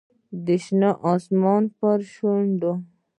د شین اسمان پر شونډو